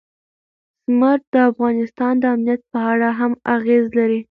زمرد د افغانستان د امنیت په اړه هم اغېز لري.